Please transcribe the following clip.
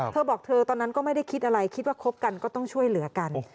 เธอบอกเธอตอนนั้นก็ไม่ได้คิดอะไรคิดว่าคบกันก็ต้องช่วยเหลือกัน